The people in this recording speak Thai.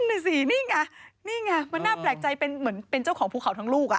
นั่นน่ะสินี่ไงนี่ไงมันน่าแปลกใจเป็นเหมือนเป็นเจ้าของภูเขาทั้งลูกอ่ะ